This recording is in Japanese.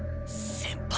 先輩。